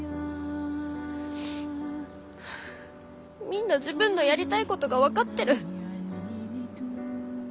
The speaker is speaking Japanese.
みんな自分のやりたいことが分かってる。